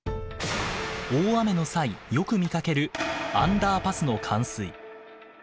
大雨の際よく見かけるアンダーパスの冠水。